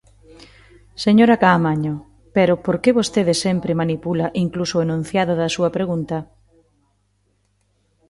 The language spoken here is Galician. Señora Caamaño, pero ¿por que vostede sempre manipula, incluso o enunciado da súa pregunta?